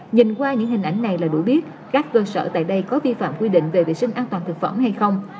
nhìn qua những hình ảnh này là đủ biết các cơ sở tại đây có vi phạm quy định về vệ sinh an toàn thực phẩm hay không